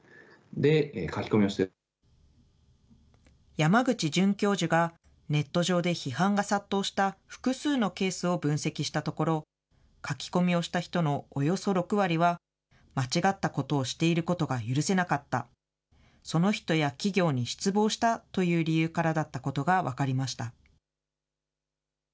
山口准教授がネット上で批判が殺到した複数のケースを分析したところ、書き込みをした人のおよそ６割は、間違ったことをしていることが許せなかった、その人や企業に失望したという理由からだったことが分かりました。